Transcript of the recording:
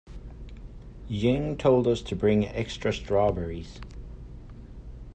Ying told us to bring extra strawberries.